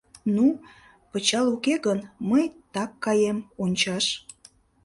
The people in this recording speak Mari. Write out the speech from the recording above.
— Ну, пычал уке гын, мый так каем, ончаш...